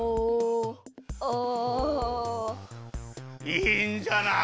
いいんじゃない？